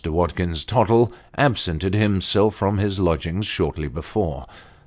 Watkins Tottle absented himself from his lodgings shortly before.